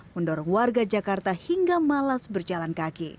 mendorong warga jakarta hingga malas berjalan kaki